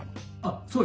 そうですね。